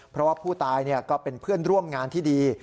เพราะว่าผู้ตายก็เป็นเพื่อนร่วมงานที่ดี